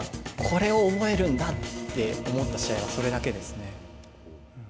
これを覚えるんだって思った試合はそれだけですね。